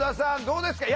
どうですか？